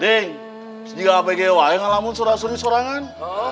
deng sejika apgw ngelamun suruh suruh sorangan